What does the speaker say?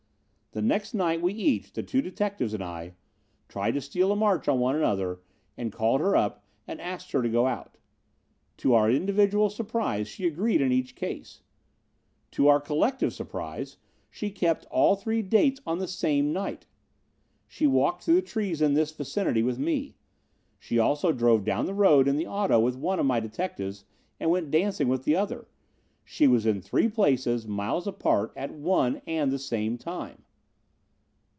"The next night we each the two detectives and I tried to steal a march on one another and called her up and asked her to go out. To our individual surprise, she agreed in each case. To our collective surprise, she kept all three dates on the same night. She walked through the trees in this vicinity with me. She also drove down the road in the auto with one of my detectives, and she went dancing with the other. She was in three places miles apart at one and the same time.